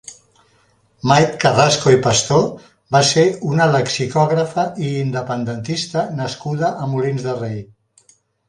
Mait Carrasco i Pastor va ser una lexicògrafa i independentista nascuda a Molins de Rei.